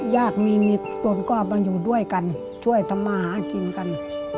ยากมีมิตรต้นก็มาอยู่ด้วยกันช่วยทำมากินกัน